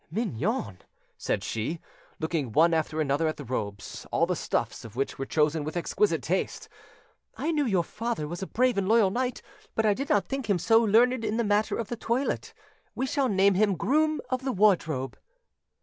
"Mignonne," said she, looking one after another at the robes, all the stuffs of which were chosen with exquisite taste, "I knew your father was a brave and loyal knight, but I did not think him so learned in the matter of the toilet. We shall name him groom of the wardrobe."